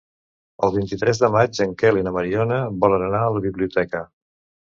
El vint-i-tres de maig en Quel i na Mariona volen anar a la biblioteca.